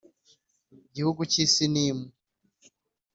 Gihugu cy i sinimu